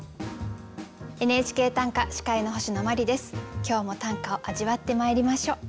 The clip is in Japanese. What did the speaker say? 今日も短歌を味わってまいりましょう。